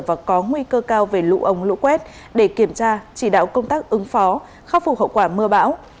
và có nguy cơ cao về lũ ống lũ quét để kiểm tra chỉ đạo công tác ứng phó khắc phục hậu quả mưa bão